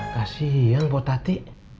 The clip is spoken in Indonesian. kasihian bu tati